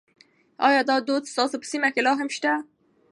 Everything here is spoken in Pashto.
ایا دا دود ستاسو په سیمه کې لا هم شته؟